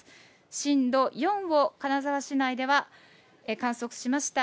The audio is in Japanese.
震度４を金沢市内では観測しました。